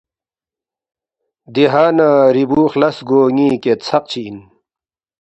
دِہا نہ ریبو خلاس گو نی کید ژراق چی اِن۔